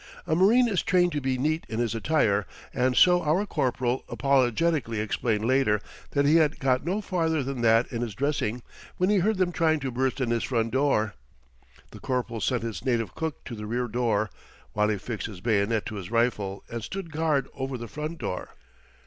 A marine is trained to be neat in his attire, and so our corporal apologetically explained later that he had got no farther than that in his dressing when he heard them trying to burst in his front door. The corporal sent his native cook to the rear door, while he fixed his bayonet to his rifle and stood guard over the front door.